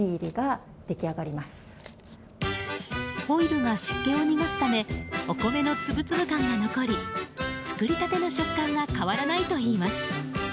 ホイルが湿気を逃がすためお米のつぶつぶ感が残り作り立ての食感が変わらないといいます。